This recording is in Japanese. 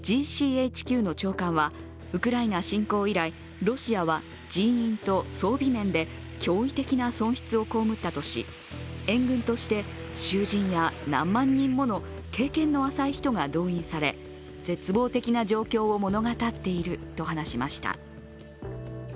ＧＣＨＱの長官は、ウクライナ侵攻以来、ロシアは人員と装備面で驚異的な損失を被ったとし援軍として、囚人や何万人もの経験の浅い人が動員され、絶望的な状況を物語っていると話しました。